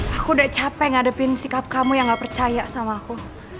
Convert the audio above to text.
aku udah capek ngadepin sikap kamu yang gak percaya sama aku